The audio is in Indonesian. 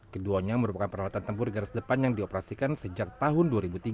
keduanya merupakan peralatan tempur garis depan yang dioperasikan sejak tahun dua ribu tiga